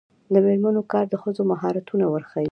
د میرمنو کار د ښځو مهارتونه ورښيي.